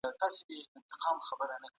ماشوم وپوښتل چي زلزله ولي راځي؟